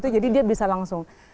jadi dia bisa langsung